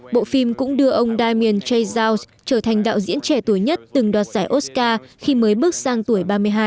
bộ phim cũng đưa ông damien chazelle trở thành đạo diễn trẻ tuổi nhất từng đoạt giải oscar khi mới bước sang tuổi ba mươi hai